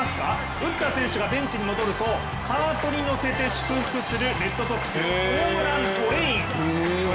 打った選手がベンチに戻るとカートに乗せて祝福するレッドソックスのホームラントレイン。